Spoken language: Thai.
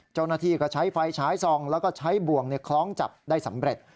เจ้าหน้าที่ก็ใช้ไฟฉายซองแล้วก็ใช้บ่วงคล้องจับได้สำเร็จ